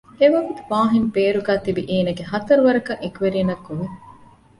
އެވަގުތު ވާޙިން ބޭރުގައި ތިބި އޭނަގެ ހަތަރު ވަރަކަށް އެކުވެރިންނަށް ގޮވި